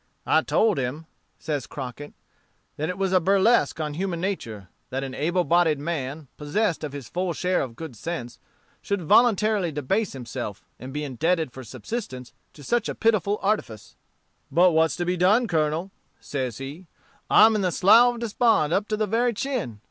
"I told him," says Crockett, "that it was a burlesque on human nature, that an able bodied man, possessed of his full share of good sense, should voluntarily debase himself, and be indebted for subsistence to such a pitiful artifice. "'But what's to be done, Colonel?' says he. 'I'm in the slough of despond, up to the very chin.